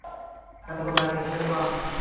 তার গলা কেটে ফেলবো আমি!